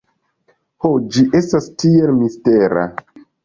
Ho, ĝi estas tiel mistera